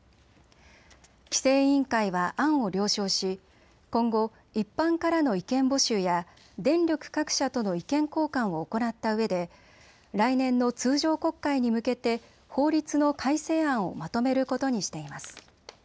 規制委員会は案を了承し今後、一般からの意見募集や電力各社との意見交換を行ったうえで来年の通常国会に向けて法律の改正案をまとめることにしています。